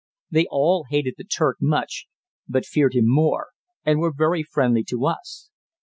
They all hated the Turk much but feared him more, and were very friendly to us.